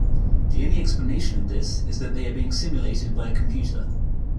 The only explanation of this is that they are being simulated by a computer.